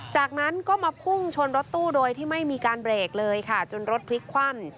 จากนั้นก็มาพุ่งชนรถตู้โดยที่ไม่มีการเบรกเลยค่ะจนรถพลิกคว่ำ